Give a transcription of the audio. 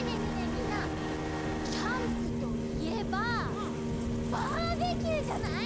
みんなキャンプといえばバーベキューじゃない？